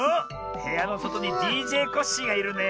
へやのそとにＤＪコッシーがいるねえ。